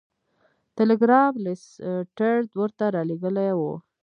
ټیلګرام لیسټرډ ورته رالیږلی و.